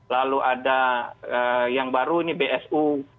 lalu ada yang baru ini bsu